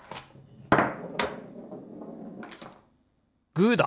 グーだ！